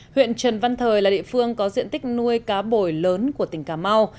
huyện trần văn thời là địa phương có diện tích nuôi cá bồi lớn của tỉnh cà mau